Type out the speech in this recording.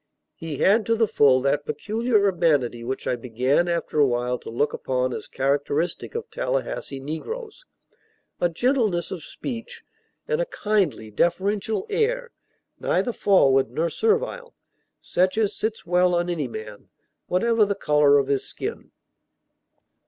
He had to the full that peculiar urbanity which I began after a while to look upon as characteristic of Tallahassee negroes, a gentleness of speech, and a kindly, deferential air, neither forward nor servile, such as sits well on any man, whatever the color of his skin.